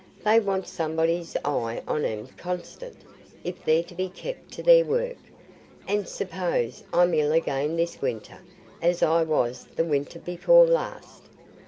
They want somebody's eye on 'em constant if they're to be kept to their work. An' suppose I'm ill again this winter, as I was the winter before last?